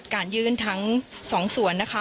การยื่นทั้งสองส่วนนะคะ